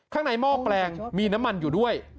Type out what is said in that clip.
ข้างในหม้อแปลงมีน้ำมันอยู่ด้วย